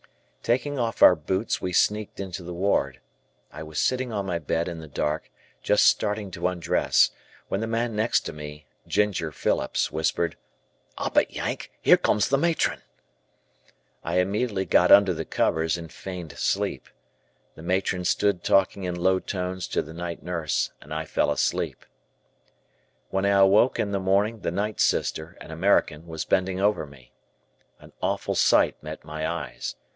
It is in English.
Taking off our boots we sneaked into the ward. I was sitting on my bed in the dark, just starting to undress, when the man next to me, "Ginger" Phillips, whispered. "'Op it, Yank, 'ere comes the matron." I immediately got under the covers and feigned sleep. The matron stood talking in low tones to the night nurse and I fell asleep. When I awoke in the morning the night sister, an American, was bending over me. An awful sight met my eyes.